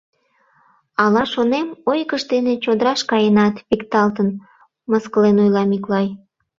Ала, шонем, ойгыж дене чодраш каенат, пикталтын, — мыскылен ойла Миклай.